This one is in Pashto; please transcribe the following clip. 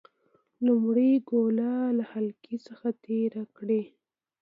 لومړی ګلوله له حلقې څخه تیره کړئ.